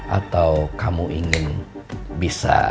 atau kamu ingin bisa